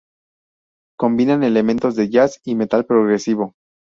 Combinan elementos de jazz y metal progresivo.